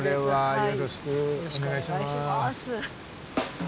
よろしくお願いします。